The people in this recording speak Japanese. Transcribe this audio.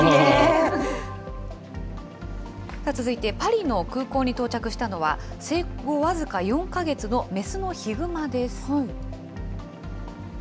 続いて、パリの空港に到着したのは、生後僅か４か月の雌のヒグマです。